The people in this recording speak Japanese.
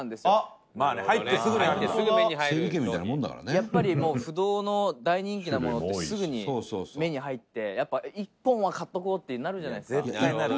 やっぱり、もう不動の大人気なものってすぐに目に入って、やっぱり１本は買っておこうってなるじゃないですか。